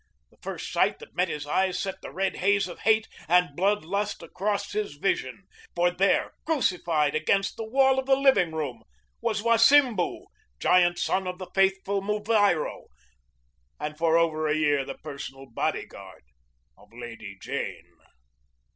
The first sight that met his eyes set the red haze of hate and bloodlust across his vision, for there, crucified against the wall of the living room, was Wasimbu, giant son of the faithful Muviro and for over a year the personal bodyguard of Lady Jane.